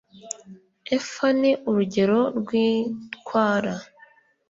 efa ni urugero rw itwara